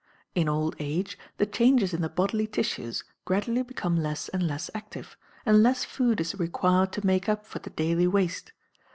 In old age the changes in the bodily tissues gradually become less and less active, and less food is required to make up for the daily waste.